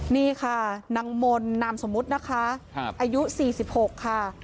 นี่ค่ะนางมนต์นามสมมุทรนะคะอายุสี่สิบหกค่ะ